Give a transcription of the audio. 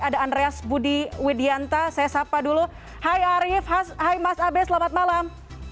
ada andreas budi widianta saya sapa dulu hai arief hai mas abe selamat malam